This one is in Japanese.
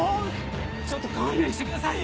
ちょっと勘弁してくださいよ！